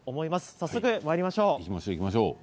早速まいりましょう。